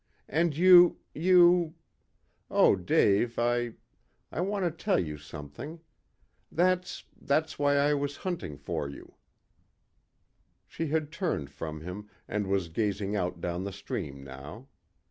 And you you Oh, Dave, I I want to tell you something. That's that's why I was hunting for you." She had turned from him, and was gazing out down the stream now.